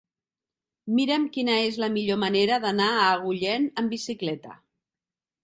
Mira'm quina és la millor manera d'anar a Agullent amb bicicleta.